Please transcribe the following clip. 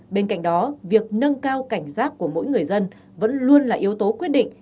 bên cạnh đó việc nâng cao cảnh giác của mỗi người dân vẫn luôn là yếu tố quyết định